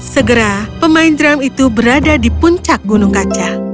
segera pemain drum itu berada di puncak gunung kaca